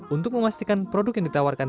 untuk memastikan produk yang ditawarkan